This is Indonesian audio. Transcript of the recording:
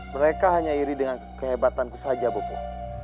mereka hanya iri dengan kehebatanku saja bobo